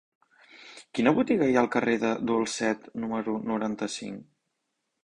Quina botiga hi ha al carrer de Dulcet número noranta-cinc?